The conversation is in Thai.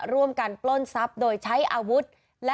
๕ร่วมกันปล้นทรัพย์โดยใช้อาวุธ